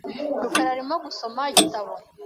rukara arimo gusoma igitabo .